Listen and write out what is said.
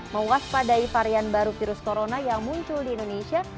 mewaspadai varian baru virus corona yang muncul di indonesia